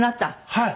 はい。